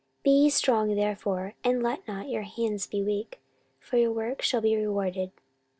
14:015:007 Be ye strong therefore, and let not your hands be weak: for your work shall be rewarded.